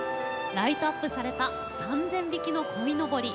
ライトアップされた３，０００匹の鯉のぼり。